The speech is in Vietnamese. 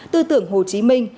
tư tưởng hồ chí minh